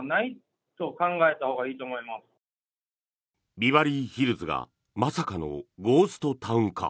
ビバリーヒルズがまさかのゴーストタウン化。